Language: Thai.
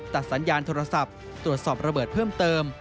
ตัดสัญญาณโทรศัพท์ตรวจสอบระเบิดเพิ่มเติม